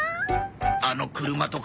あの車とか？